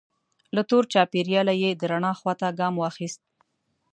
له تور چاپیریاله یې د رڼا خوا ته ګام واخیست.